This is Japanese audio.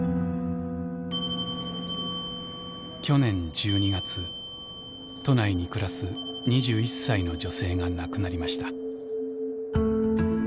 去年１２月都内に暮らす２１歳の女性が亡くなりました。